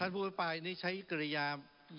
ท่านพ่อปลายนี่ใช้เกรยา